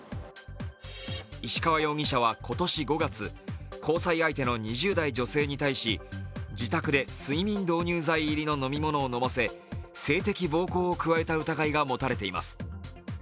石川容疑者は今年５月交際相手の２０代の女性に対し、自宅で睡眠導入剤入り飲み物を飲ませ、性的暴行を加えた疑いが持たれています。